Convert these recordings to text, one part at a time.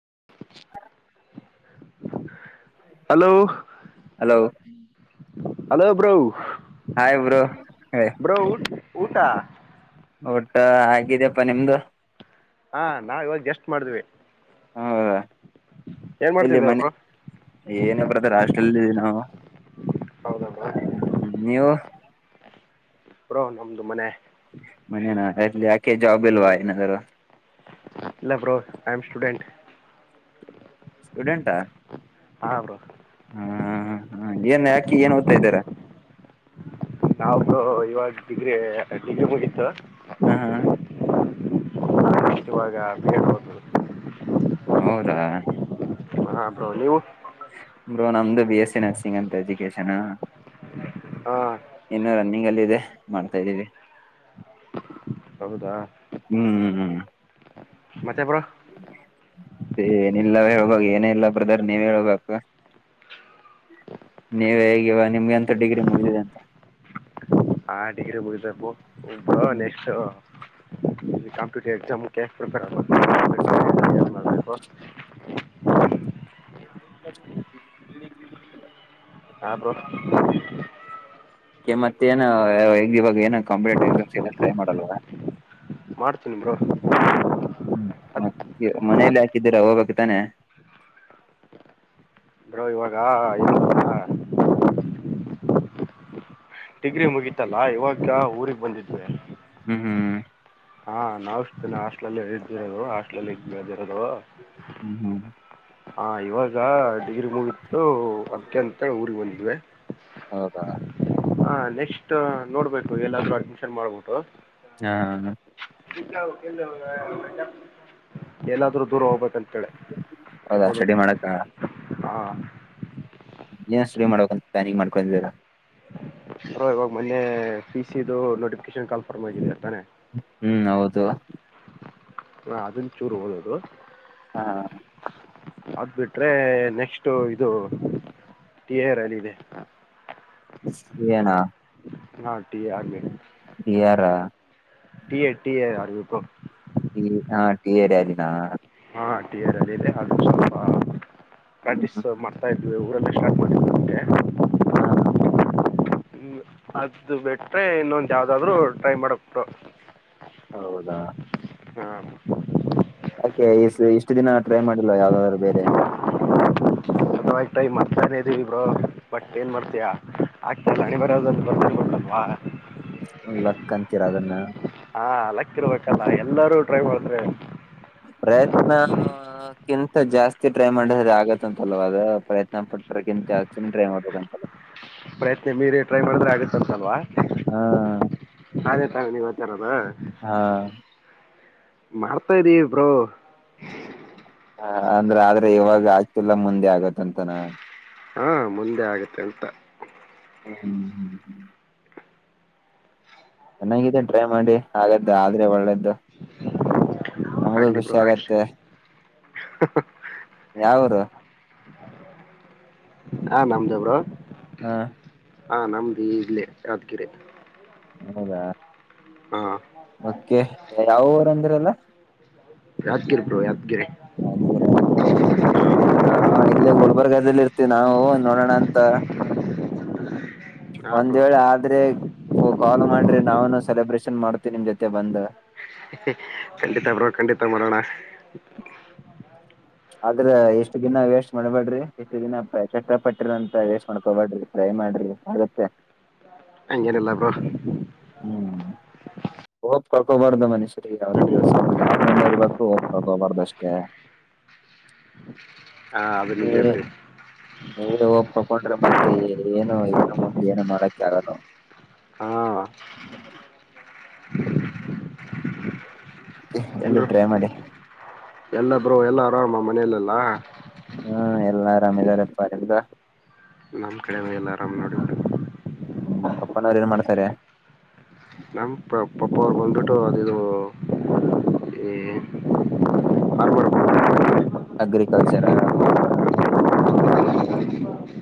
[unintelligible] [inaudible] Hello hello [unintelligible] hello bro hi bro bro ಊಟಾ ಊಟ ಹಾಗಗಿದ್ಯಪ್ಪಾ ನಿಮ್ದು ಹಾ ನಾವ ಇವಾಗ ಎಷ್ಟ್ ಮಾಡಿದ್ವಿ ಹೌದಾ ಏನ್ ಇಲ್ಲಿ ಮಾಡ್ತಿದ್ದೀರ ಮನೆ ಬ್ರೋ ಏನೇ ಬ್ರಾಥರ್ ಹಾಸ್ಟಲ್ ಹಾ ಹೌದಾ ಬ್ರೋ ಹ್ಮ ನೀವು ಬ್ರೋ ನಮ್ದು ಮನೆ ಮನೆ ನ ಯಾಕೆೆ ಜೊಬಲ್ಲವಾದರ [unintelligible] ಎಲ್ಲಾ bro I am student student [unintelligible] ಹಾ ಬ್ರೋ ಹ ಹಾ ಹಾ ಏನ್ ಯಾಕಿ ಏನ್ ಓದ್ತಾ ಇದ್ದಾರ [unintelligible] ನಾವ್ದ ಇವಾಗ ಡಿಗ್ರಿ ಡಿಗ್ರಿ ಮುಗತ್ತು ಹ್ಮ್ ಹಾ ಇವಾಗ ಬೌದು [unintelligible] ಹೌದಾ ಹ ಬ್ರೋ ನೀವು [unintelligible] ರು ನಮ್ದು ಬಿ ಎಸ್ಸ ನರ್ಸಿಂಗ್ ಅಂತ ಎಜುಕೇಶನ್ ಹ್ಮ ಹಂಗಲ್ಲ ಇದೆ ಮಾಡ್ತಾ ಇದ್ದೀವಿ ಹೌದಾ ಹ್ಮ್ ಹ್ಮ್ ಮತ್ತೆ ಬ್ರೋ ಏನಿಲ್ಲ ಹೇಳ್ಬ ಏನ ಇಲ್ಲ ಬ್ರದರ್ ನೀವ್ ಹೇಬೇಕು ನೀವ ಹೇಗಿವ ನಿಮ್ಗೆ ಎಂತ ಡಿಗ್ರಿ ಮುಗಿದಿದೆ ಅಂತ ಹಾ ಡಿಗ್ರಿ [unintelligible] ಬತಪ್ಪುಬ ನೆ ಕಂಪಟಟಿವ್ ಪ್ರಿಪೇರ್ [unintelligible] ಹ [unintelligible] [unintelligible] [inaudible] ಹಾ ಬ್ರೋ ಮತ್ತ ಏನ ಇವಾಗ ಏನ ಕಾಂಪಿಟೇಟಿವ್ ಎಕ್ಸಾಮ್ ಇ ಟ್ರೈ ಮಾಡಲ್ವ ಮಾಡ್ತೀನಿ ಬ್ರೋ ಹ್ಮ ಮನೇೆಯಲ್ಲಿ ಯಾಕಿದ್ದೀರ ಹೋಗ್ಬೇಕು ತಾನೆ ಬ್ರೋ ಇವಾಗ [unintelligible] ಡಿಗ್ರಿ ಮುಗಿತಲ್ಲಾ ಇವಾಗ ಊರಿಗೆ ಬಂದಿದ್ವೆ ಹ್ಮ್ ಹ್ಮ್ ಹಾ ನಾವು ಇಷ್ಟೇ ಹಾಸ್ಟಲ್ ಇದ್ದಿರೋದು ಹಾಸ್ಟಲಲ್ಲಿ ಬೆದಿರೋದು ಹ್ಮ್ ಹ್ಮ್ ಹಾ ಇವಾಗ ಡಿಗ್ರಿ ಮುಗತು ಅದಕ ಅಂತೇಳಿ ಊರಿಗೆ ಬಂದ್ದಿವಿ ಹೌದಾ ಹ ನೆಕ್ಸ್ಟ್ ನೋಡ್ಬೇಕು ಎಲ್ಲಾದರೂ ಅಡ್ಮಿಷನ್ ಮಾಡ್ಬಿಟ್ಟು ಹಾ ಎಲ್ಲಾದರೂ ದೂರ ಹೋಗ್ಬೇಕಂತೇಳಿ ಹೌದಾ ಸೆಡಿ ಮಾಡಕ್ಕ ಹೇಳೆಳ ಹ ಏನ ಶ್ರೀ ಮಾಡಕಾಂತ ಪ್ಯಾನಿಂಗ ಮಾಡ್ಕೊಂಡೀದಿರಾ ಬ್ರೋ ಇವಾಗ ಮೊನ್ನೆ ಫಿ ಸಿ ಇದು ನೋಟಿಫಿಕೇಶನ್ ಕಾನ್ಫರ್ಮ್ ಆಗಿದೆ ಸರ್ ತಾನೆ ಹ್ಮ್ ಹೌದು ಹಾ ಅದನ್ ಚೂರು ಹೋಳ್ಳದು ಹಾ ಅದ ಬಿಟ್ರೆ ನೆಕ್ಸ್ಟ್ ಇದು ಟೀ ಆರ್ ಅಲ್ಲಿ ಇದೆ. ಎಣು ಹ ಟೀ ಆರ್ ಮೇ ಎ ಯಾರ ಟೀ ಎ ಟಿ ಎ ಅರಿವಿಪ ಟೀ ಹಾ ಟೀ ಎಡದಿನ ಹಾ ಟಿ ಆರ್ ಅಲ್ಲಿ ಇದೆ ಅದು ಸ್ವಲ್ಪ ಪ್ರಾಕ್ಟೀಸ್ ಮಾಡ್ತಾ ಇದ್ವಿ ಊರಲ್ಲಿ ಸ್ಟಾರ್ಟ್ ಮಾಡಿದವ ಅಂತೇ ಹಾ ಹ ಹ್ಮ ಅದು ಬೆಟ್ರೆ ಇನ್ನೊಂದ ಯಾವ್ದಾದ್ರು ಟ್ರೈ ಮಾಡಬೇಕು. ಹೌದಾ ಯಾಕೆ ಇಷ್ಟು ದಿನ ಟ್ರೈ ಮಾಡಿಲ್ಲ ಯಾವ್ದಾದ್ರು ಬೇರೆ ಸತತವಾಗಿ ಟ್ರೈ ಮಾಡ್ತಾನೇ ಇದ್ದೀವಿ ಬ್ರೋ ಬಟ್ ಏನ್ ಮಾಡ್ತಯಾ ಆಗ್ತ ಇಲ್ಲ ಹಣೆ ಬರಹದಲ್ಲಿ ಬರದಿರಬೇಕ ಅಲ್ವಾ [inaudible] ಒಂದ ಲಕ್ಕ ಅಂತೀರಾ ಅದನ್ನ. ಹಾ ಲಕ್ಕ ಇರ್ಬೇಕಲ್ಲ ಎಲ್ಲರೂ ಟ್ರೈ ಮಾಡ್ತಾರೆ. ಪ್ರಯತ್ನ ಕಿಂತ ಜಾಸ್ತಿ ಟ್ರೈ ಮಾಡಿದ್ರೆ ಆಗತ್ತಂತಲ್ವ ಅದ ಪ್ರಯತ್ನ ಪಟ್ಟರಿಗೆ [unintelligible] ಮಾಡ ಪ್ರಯತ್ನ ಮೀರಿ ಟ್ರೈ ಮಾಡಿದ್ರೆ ಆಗುತ್ತ ಅಂತಲ್ವಾ ಹಾ [unintelligible] ತಾವ ನೀವ ಹತ್ತರಮ್ಮ ಹಾ ಮಾಡ್ತಾ ಇದ್ದೀವಿ ಬ್ರೋ ಹ ಅಂದ್ರ ಆದ್ರೆ ಇವಾಗ ಆಗ್ತಿಲ್ಲ ಮುಂದೆ ಆಗತ್ತಂತನ ಹಾಂ ಮುಂದೆ ಆಗುತ್ತೆ ಅಂತ ಹ ಹ್ಮ್ ಹ್ಮ ಹ್ಮ ಹ್ಮ ಚೆನ್ನಾಗಿದೆ ಟ್ರೈ ಮಾಡಿ ಹಾಗದ್ದು ಆದ್ರೆ ಒಳ್ಳೇದ್ದು. ನಮಗೂ ಆಗಲಿ ಖುಷಿ ಬ್ರೋ ಆಗಲಿ ಆಗತ್ತೆ. [inaudible] ಯಾವರು ಹಾ ನಮ್ದ ಬ್ರೋ ಹಾ ಹಾ ನಮ್ಮದ ಇಗಲೇ ಯಾದಗಿರೆ ಹೌದಾ ಓಕೆ ಯಾವ ಊರ ಅಂದರಿ ಅಲ್ಲ ಯಾದಗಿರಿ ಬ್ರೋ ಯಾದಗಿರಿ [unintelligible] ನಾ ಇಲ್ಲೇ ಗುಲ್ಬರ್ಗದಲ್ಲಿ ಇರತಿವಿ ನಾವು ನೋಡೋಣ ಅಂತ ಹಾಂ ಒಂದ ಬ್ರೋ ವೇಳೆ ಆದರೆ ಓ ಕಾಲ್ ಮಾಡರಿ ನಾವನು ಸೆಲೆಬ್ರೇಷನ್ ಮಾಡ್ತೀನಿ ನಿಮ್ಮ ಜೊತೆ ಬಂದ ಖಂಡಿತಾ ಬ್ರೋ ಖಂಡಿತಾ ಮಾಡೋಣ ಆದರ ಇಷ್ಟದಿನ ವೇಸ್ಟ್ ಮಾಡ್ಬೇಡ್ರಿ ಇಷ್ಟ ದಿನ ಕಷ್ಟ ಪಟ್ಟಿರ ಅಂತ ವೇಸ್ಟ್ ಮಾಡ್ಕೊಬೇಡ್ರಿ ದಯ ಮಾಡರಿ ಆಗುತ್ತೆ. ಹಂಗೇನಿಲ್ಲ ಬ್ರೋ. ಹ್ಮ್ ಹೋಪ್ ಕಳ್ಕೋಬಾರದು ಮನುಷ್ಯರಿಗೆ ಯಾವತ್ತು ಸ್ವಲ್ಪ ತಾವೇನ ಇರ್ಬೇಕು ಹೋಪ್ ಕಳ್ಕೋಬಾರದು ಅಷ್ಟೇ. ಹಾ ಅದು ನಿಜ ಬಿಡಿ. ನೀವು ಹೋಪ್ ಕಳ್ಕೊಂಡ್ರೆ ಮತ್ತೆ ಏನು ಏನು ಮುಂದ ಏನು ನೋಡಕ್ಕೆ ಆಗಲ್ಲ. ಹಾ. ಓಕೆ ಮುಂದೆ ಟ್ರೈ ಮಾಡಿ. ಎಲ್ಲಾ ಬ್ರೋ ಎಲ್ಲಾ ಆರಾಮ ಅಲ್ಲ ಮನೆಯಲ್ಲೆಲ್ಲಾ. ಹು ಎಲ್ಲಾ ಆರಾಮಿದಾರಪ್ಪ ನಿಮ್ಮದ. ನಮ್ಮ ಕಡೆ ಎಲ್ಲಾ ಆರಾಮ ನೋಡಿ ಬ್ರೋ. ಹು ಪಪ್ಪನವರ ಏನ್ ಮಾಡ್ತಾರ. ನಮ್ಮ ಪಪ್ಪಾ ಅವರು ಬಂದ್ಬಿಟ್ಟು ಅದ ಇದು ಏ. [inaudible] Agriculture farmer.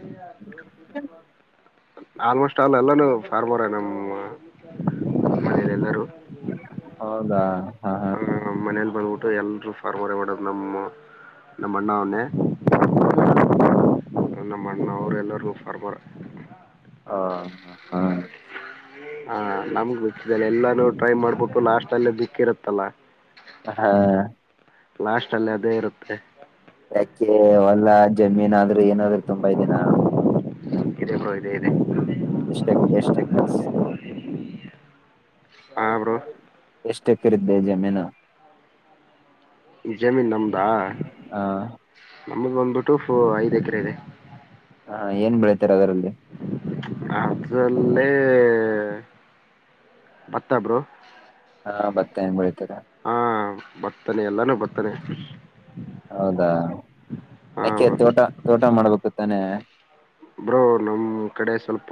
[unintelligible] ಆಲ್ಮೋಸ್ಟ್ ಆಲ್ ಎಲ್ಲಾನೂ ಫಾರ್ಮರ್ ನಮ್ಮ ಮನೆಯಲ್ಲಿ ಎಲ್ಲರೂ. ಹೌದಾ ಹ ಹ. ನಮ್ಮನೆಯಲ್ಲಿ ಬಂದ್ಬಿಟ್ಟು ಎಲ್ಲರೂ ಫಾರ್ಮರ್ ಮೇಡಂ ನಮ್ಮ ನಮ್ಮ ಅಣ್ಣ ಅವನ್ನೇ. [unintelligible] ನಮ್ಮ ಅಣ್ಣ ಅವರು ಎಲ್ಲರೂ ಫಾರ್ಮರ್. ಹ ಹಹಾ. ಹ ನಮ್ಮಗ ಎಲ್ಲಾನು ಟ್ರೈ ಮಾಡ್ಬಿಟ್ಟು ಲಾಸ್ಟ್ ಅಲ್ಲಿ ಬಿಕ್ಕಿರತ್ತಲ್ಲ. ಹ. ಲಾಸ್ಟ್ ಅಲ್ಲಿ ಅದೇ ಇರುತ್ತೆ. ಕೆ ಹೊಲಾ ಜಮೀನ ಆದರೂ ಏನಾದ್ರೂ ತುಂಬಾ ಇದೆ ನಾ. ಬ್ರೋ ಇದೆ ಇದೆ. ಎಷ್ಟ ಎಷ್ಟ ಎಕ್ಕರ್ಸ್. ಹಾ ಬ್ರೋ ಎಷ್ಟು ಎಕರೆ ಇದೇ ಜಮೀನು. ಜಮೀನು ನಮ್ಮದಾ ಹ ನಮ್ದ್ ಬಂದ್ಬಿಟ್ಟು ಫೋರ ಐದ ಎಕರೆ ಇದೆ. ಹಾ ಏನ್ ಬೆಳತಾರ ಅದರಲ್ಲಿ. ಅದರಲ್ಲಿ ಭತ್ತ ಬ್ರೋ. ಹಾ ಭತ್ತ ಹೆಂಗ ಬೆಳಿತಾರೆ. ಹಾ ಭತ್ತನೆ ಎಲ್ಲಾನು ಭತ್ತನೆ. ಹೌದಾ ಹಾ ಅಕೆ ಬ್ರೋ ತೋಟ ತೋಟ ಮಾಡಬೇಕು ತಾನೆ. ಬ್ರೋ ನಮ್ಮ ಕಡೆ ಸ್ವಲ್ಪ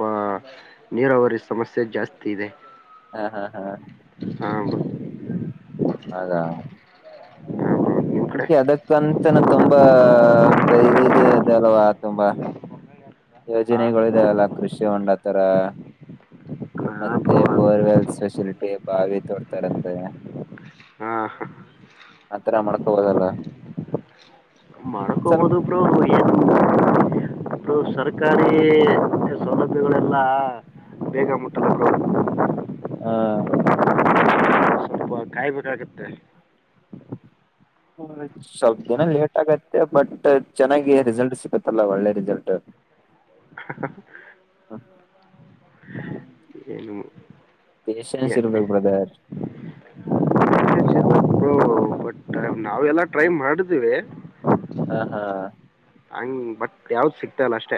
ನೀರಾವರಿ ಸಮಸ್ಯೆ ಜಾಸ್ತಿ ಇದೆ. ಹ ಹಾ ಹಾ ಹಾ ಬ್ರೋ ಹಾಗ. ಹಾ ಬ್ರೋ ನಿಮ್ ಕಡೆ ಓಕೆ ಅದಕ್ಕಂತನ ತುಂಬಾ ಇದ ಇದೇ ಅಲ್ವಾ ತುಂಬಾ. ಹಾ ಯೋಜನೆಗಳ ಇದಾವಲ್ಲ ಕೃಷಿ ಹೊಂಡತರ. ಹಾ ಮತ್ತೆ ಬ್ರೋ ಬೋರ್ವೆಲ್ ಫೆಸಿಲಿಟಿ ಬಾವಿ ತೋಡ್ತಾರಂತೆ. ಹಾ ಆತರ ಮಾಡ್ಕೋಬಹುದಲ್ಲ. ಮಾಡ್ಕೊಬೋದು ಬ್ರೋ ಇಲ್ಲ ಸರ್ಕಾರಿ ಸೌಲಭ್ಯಗಳೆಲ್ಲ ಬೇಗ ಮುಟ್ಟಲ್ಲ ಬ್ರೋ. ಹಾ. [unintelligible] ಹ ಸ್ವಲ್ಪ ದಿನ ಲೇಟ್ ಆಗೈತ್ತತೆ ಬಟ್ ಚೆನ್ನಾಗಿ ರಿಸಲ್ಟ್ ಸಿಗತ್ತಲ್ಲ ಒಳ್ಳೆ ರಿಸಲ್ಟ್. [inaudible] [inaudible] ಏನು ಪೇಸೆನ್ಸ್ ಇರ್ಬೇಕ ಬ್ರದರ. ನಾವೆಲ್ಲಾ ಟ್ರೈ ಮಾಡಿದ್ದೇವಿ. ಹಾ ಹಾ. ಹಂಗ್ ಬಟ್ ಯಾವ್ದ್ ಸಿಗ್ತಾ ಇಲ್ಲ ಅಷ್ಟೇ.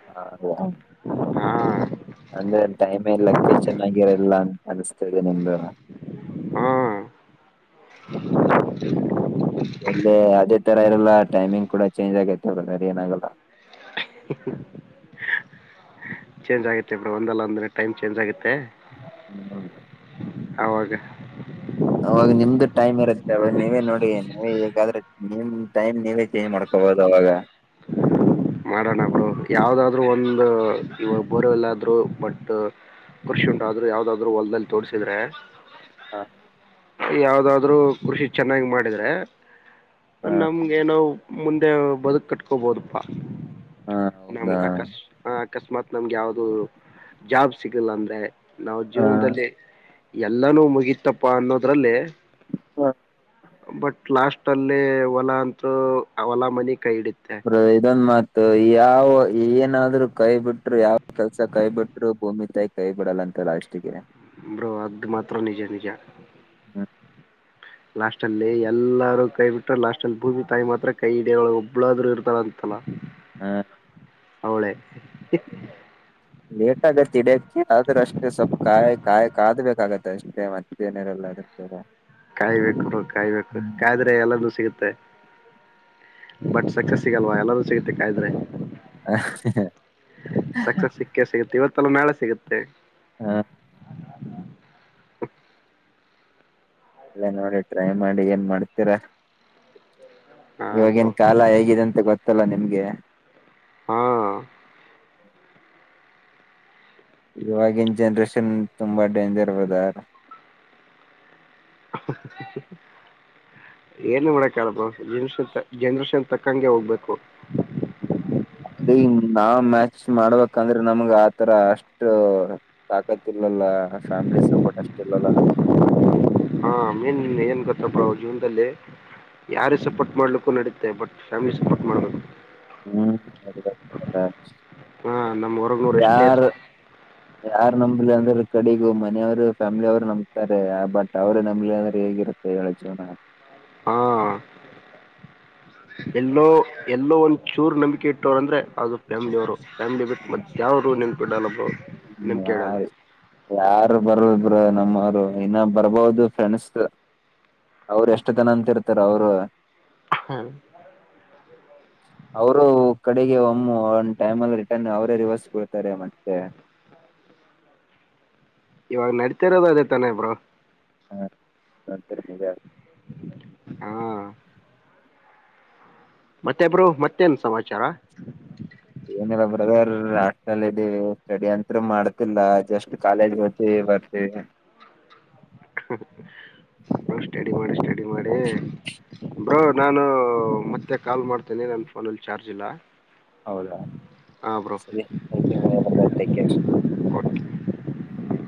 ಹ. ಹಾ ಅಂದ್ರೆ ಟೈಮ್ ಲಕ್ ಚನಾಗಿ ಇಲ್ಲ ಅನುಸ್ತಾ ಇದೆ ನಂದು. ಹಾ. ಎಲ್ಲೆ ಅದೇ ತರ ಇರಲ್ಲ ಟೈಮಿಂಗ್ ಕೂಡ ಚೇಂಜ್ ಆಗಿರ್ತಾದ್ ಅಂದ್ರೆ ಅದ್ ಏನಾಗಲ್ಲ. [inaudible] ಚೇಂಜ್ ಆಗುತ್ತೆ ಬಿಡೋ ಒಂದಲ್ಲ ಅಂದ್ರೆ ಟೈಮ್ ಚೇಂಜ್ ಆಗುತ್. ಹ್ಮ್ಮ್. ಅವಾಗ. ಅವಾಗ ನಿಮ್ದು ಟೈಮ್ ಇರುತ್ತೆ ಅವಗ್ ನೀವೇ ನೋಡಿ ನೀವೇ ಹೇಗಾದ್ರೆ ನಿಮ್ ಟೈಮ್ ನೀವೇ ಚೇಂಜ್ ಮಾಡ್ಕೋಬೋದ್. ಅವಾಗ. [inaudible] ಮಾಡೋಣ ಬ್ರೋ ಯಾವುದಾದ್ರೂ ಒಂದು ಇವಾಗ ಬೋರ ಎಲ್ಲಾದ್ರು ಬಟ್. ಕೃಷಿ ಉಂಟಾದ್ರ ಯಾವ್ದಾದ್ರು ಹೊಲ್ದಲ್ ತೋರ್ಸಿದ್ರೆ. ಹಾ ಹಾ. ಯಾವದಾದ್ರು ಕೃಷಿ ಚೆನ್ನಾಗ್ ಮಾಡಿದ್ರೆ ಹಾ ನಮ್ಗೇನೋ. ಮುಂದೆ ಬದುಕ್ ಕಟ್ಕೋಬೋದುಪ್ಪಾ ಹಾ ನಮ್ಗ್ ಹೌದಾ ಅಕಸ್. ಅಕಸ್ಮಾತ್ ನಮ್ಗೆ ಯಾವ್ದ ಜಾಬ್ ಸಿಗಿಲ್ಲ ಅಂದ್ರೆ ನಾವ್ ಹಾ ಜೀವಂದಲ್ಲಿ. ಎಲ್ಲಾನೂ ಮುಗಿತಪ್ಪ ಅನ್ನೋದ್ರಲ್ಲಿ ಬಟ್. ಲಾಸ್ಟ್ ಅಲ್ಲಿ ಹೊಲಾ ಅಂತ್ರು ಹೊಲಾ ಮನಿ. ಕೈ ಹಿಡಿತ್ತೆ ಬ್ರೋ ಇದನ್ ಮಾತ್. ಯಾವ್ ಏನಾದ್ರು ಕೈ ಬಿಟ್ರು ಯಾವ್ ಕೆಲ್ಸ ಕೈ ಬಿಟ್ರು ಭೂಮಿ ತಾಯಿ ಕೈ ಬಿಡಲ್ಲ. ಲಾಸ್ಟಿಗೆ. ಬ್ರೋ ಅದ್ ಮಾತ್ರ ನಿಜ ನಿಜ. ಲಾಸ್ಟ್ಲ್ಲಿ ಎಲ್ಲಾರೂ ಕೈ ಬಿಟ್ರ ಲಾಸ್ಟ್ಲ್ಲಿ ಭೂಮಿ ತಾಯಿ ಮಾತ್ರ ಕೈ ಹಿಡಿಯಳು ಒಬ್ಳಾದ್ರು ಇರ್ತಾಳಂತಲಾ. ಹಾ. ಅವ್ಳೆ. ಲೇಟ್ ಆಗತ್ತೆ ಇಡ್ಯಕ್ಕೆ ಆದ್ರ ಅಷ್ಟೇ ಸ್ವಲ್ಪ ಕಾಯ್ ಕಾಯ್ ಕದ್ಬೇಕಾಗತ್ತೆ ಅಷ್ಟೇ ಮತ್ತನ್ ಇರಲ್ಲದು. ಕಾಯ್ಬೇಕ್ ಬ್ರೋ ಕಾಯ್ಬೇಕು ಕಾಯಿದ್ರೆ ಎಲ್ಲಂನು ಸಿಗುತ್ತೆ. ಬಟ್ ಸಕ್ಸಸ್ ಸಿಗಲ್ವಾ ಎಲ್ಲಾದು ಸಿಗುತ್ತೆ ಕಾಯಿದ್ರೆ. ಸಕ್ಸಸ್ ಸಿಕ್ಕೆ ಸಿಗತ್ತೆ ಇವತ್ತಲ್ಲ ನಳೆ ಸಿಗತ್ತೆ. ಹಾ. ಎಲ್ಲ ನೋಡಿ ಟ್ರೈ ಮಾಡಿ ಏನ್ ಮಾಡ್ತೀರ. ಹಾ ಇವಾಗಿನ್ ಬ್ರೋ ಕಾಲ ಹೇಗಿದೆ ಅಂತ ಗೊತ್ತಲ್ಲ ನಿಮ್ಗೆ. ಹಾ. ಇವಾಗಿನ್ ಜನ್ರೇಷನ್ ತುಂಬಾ ಡೇಂಜರ್ ಬ್ರದರ್. [inaudible] ಏನು ಮಾಡಕಾಗಲ್ಲ ಬ್ರೋ ನೀವು ಸ್ವಲ್ಪ ಜನ್ರೇಶನ್ ತಕ್ಕಂಗೆ ಹೋಗ್ಬೇಕು. ಹ್ಮ್. ಅದೇ ನಾವ್ ಮ್ಯಾಚ್ ಮಾಡ್ಬೇಕಂದ್ರೆ ನಮ್ಗ ಆತರ ಅಷ್ಟು ತಾಕತ್ ಇಲಲ್ಲ. ಫ್ಯಾಮಿಲಿ ಸಪೋರ್ಟ್ ಅಷ್ಟ ಇಲ್ಲಲ್ಲ ನಮ್ಗೆ. ಹಾ ಮೇನ್ ಏನ್ ಗೊತ್ರ ಬ್ರೋ ಜೀವಂದಲ್ಲಿ ಯಾರು ಸಪೋರ್ಟ್ ಮಾಡ್ಲಿಕ್ಕೂ ನೆಡಿತಾತೆ. ಬಟ್ ಫ್ಯಾಮಿಲಿ ಸಪೋರ್ಟ್ ಮಾಡ್ಬೇಕು. ಹ್ಮ್ ಹಾ ನಮ್ ಹೊರುಗ್ನೋರ್ ಎಷ್ಟೇ ಯಾರ್ ಸತ್. ಯಾರ್ ನಂಬ್ಲಿಲ್ಲ ಅಂದ್ರ ಕಡಿಗೂ ಮನನಿಯವ್ರೇ ಫ್ಯಾಮಿಲಿ ಅವ್ರೆ ನಂಬ್ತಾರೆ ಬಟ್ ಅವ್ರೇ ನಂಬ್ಲಿಲ್ಲ ಅಂದ್ರೆ ಹೇಗಿರುತ್ತೆ. ಹೇಳಿ ಜೀವ್ನ. ಹಾ. ಎಲ್ಲೋ ಎಲ್ಲೋ ಒನ್ ಚೂರ್ ನಂಬಿಕೆ ಇಟ್ಟೋರೆ ಅಂದ್ರೆ ಅದ್ ಫ್ಯಾಮಿಲಿ ಅವ್ರು. ಫ್ಯಾಮಿಲಿ ಬಿಟ್ ಮತ್ಯಾರು ನಂಬ್ಕಿಡಲ್ಲ ಬ್ರೋ. ಹ್ಮ ನಂಬಿಕೆ ಇಡಲ್ಲ ಯಾರ್ ಯಾರು ಬರಲ್ಲ ಬ್ರೋ. ಒಬ್್ರ ನಮ್ಮವರು ಇನ್ನ ಬರ್ಬಹದು ಫ್ರೆಂಡ್ಸ್ ಅವ್ರ ಎಷ್ಟುತನ ಅಂತ ಇರ್ತಾರ ಅವರು ಹ್ಮ ಅವರು ಕಡೆಗೆ ಒಮ್ಮ ಒಂದ ಟೈಮ್ ಅಲ್ಲಿ ರಿಟರ್ನ್ ಅವರೇ ರಿವರ್ಸ್ ಕೊಡ್ತಾರೆ ಮತ್ತೆ ಇವಾಗ ನಡತರದ ಅೇ ತಾನೆ ಅ ಬರ ಹಾ ಒರಿಮದೆ ಹಾ ಮತ್ತೆಬ್ರು ಮತ್ತೇನ್ ಸಮಾಚಾರ ಏನಿಲ್ಲ ಬ್ರದರ್ ಅಷ್ಟಲ್ಲ ಇದೀವಿ ಸ್ಟಡಿ ಅಂತರು ಮಾಡ್ತಿಲ್ಲ ಜಸ್ಟ್ ಕಾಲೇಜ್ ಗತ್ತ ಬ ಹ್ಮ ಷ್ಟ ಸ್ಟಡಿ ಮಾಡಿ ಬ್ರೋ ನಾನು ಮತ್ತೆ ಕಾಲ್ ಮಾಡ್ತೇನೆ ನನ್ನ ಫೋನಲ್ಲಿ ಚಾರ್ಜ್ ಜಿಲ್ಲಾ ಹೌದಾ ಸರಿ ಬರ್ಟ ಕೇರ್ [inaudible]